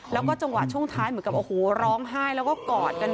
แล้วก็จังหวะช่วงท้ายเหมือนกับโอ้โหร้องไห้แล้วก็กอดกัน